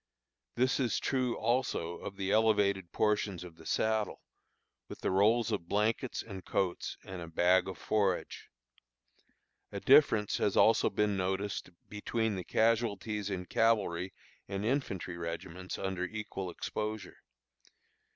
This is true also of the elevated portions of the saddle, with the rolls of blankets and coats and bag of forage. A difference has also been noticed between the casualties in cavalry and infantry regiments under equal exposure.